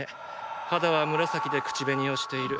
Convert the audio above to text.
肌は紫で口紅をしている。